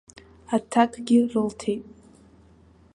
Аҭакгьы рылҭеит.